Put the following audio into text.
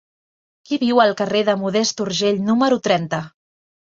Qui viu al carrer de Modest Urgell número trenta?